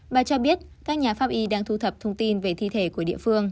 bà cho biết các nhà pháp y đang thu thập thông tin về thi thể của địa phương